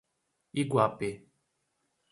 Iguape